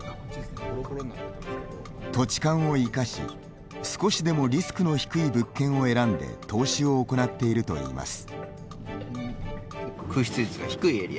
土地勘を生かし、少しでもリスクの低い物件を選んで投資を行っているといいます。